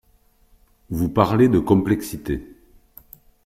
Vous parlez de complexité.